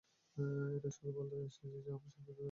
শুধু এটাই বলতে এসেছি আমাকে শান্তিতে বাঁচতে দাও।